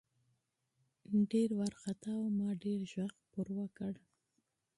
ډېر ورخطا وو ما ډېر غږ پې وکړه .